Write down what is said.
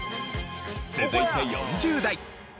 続いて４０代。